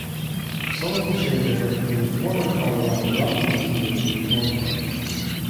Sullivan shares a birthday with former Colorado Rockies' teammate Todd Helton.